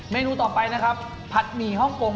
นูต่อไปนะครับผัดหมี่ฮ่องกง